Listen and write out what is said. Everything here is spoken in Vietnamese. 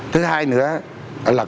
thứ hai nữa là